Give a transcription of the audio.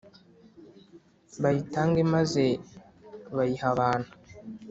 bayitange maze bayiha abantu